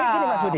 ya gini mas budi